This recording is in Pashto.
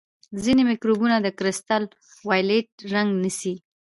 ځینې مکروبونه د کرسټل وایولېټ رنګ نیسي.